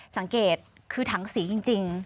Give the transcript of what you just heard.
สังเกตคือถังสีจริง